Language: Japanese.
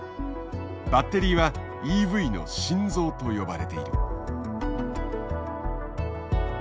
バッテリーはＥＶの心臓と呼ばれている。